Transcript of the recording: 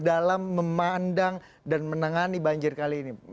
dalam memandang dan menangani banjir kali ini